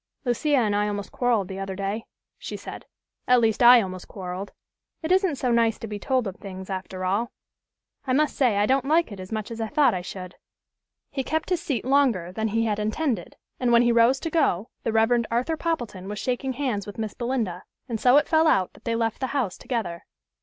"Lucia and I almost quarrelled the other day," she said "at least, I almost quarrelled. It isn't so nice to be told of things, after all. I must say I don't like it as much as I thought I should." He kept his seat longer than he had intended; and, when he rose to go, the Rev. Arthur Poppleton was shaking hands with Miss Belinda, and so it fell out that they left the house together.